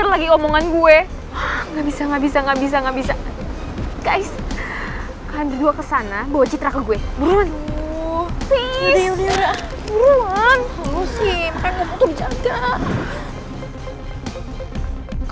lo sih makan waktu dijangka